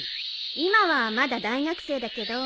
今はまだ大学生だけど。